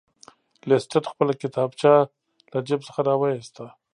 لیسټرډ خپله کتابچه له جیب څخه راویسته.